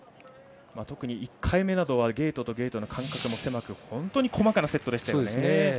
特に１回目などはゲートとゲートの間隔も狭く本当に細かなセットでしたね。